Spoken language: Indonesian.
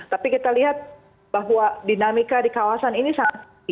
tapi kita lihat bahwa dinamika di kawasan ini sangat tinggi